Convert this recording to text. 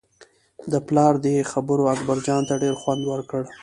د پلار دې خبرو اکبرجان ته ډېر خوند ورکړ.